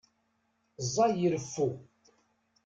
Ẓẓay i reffu!